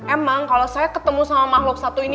emang kalau saya ketemu sama makhluk satu ini